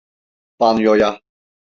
Banyoya.